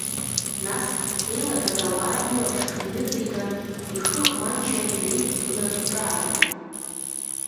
Нас, еилагылаз ауаа илаԥш иныҵиган, ихы Манча инаиқәкны ҿааиҭит…